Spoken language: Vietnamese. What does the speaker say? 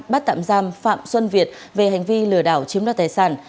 bắt tạm giam phạm xuân việt về hành vi lừa đảo chiếm đoạt tài sản